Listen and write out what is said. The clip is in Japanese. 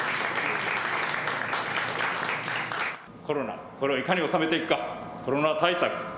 コロナ、これをいかにおさめていくか、コロナ対策。